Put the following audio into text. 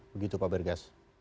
begitu pak bergas